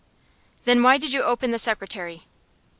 "Then why did you open the secretary?"